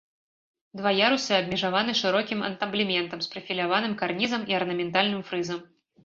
Два ярусы абмежаваны шырокім антаблементам з прафіляваным карнізам і арнаментальным фрызам.